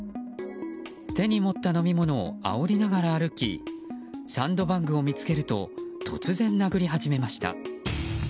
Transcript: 手に持った飲み物をあおりながら歩きサンドバッグを見つけると突然、殴り始めました。